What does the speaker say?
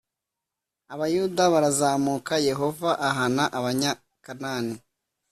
abayuda barazamuka, yehova ahana abanyakanani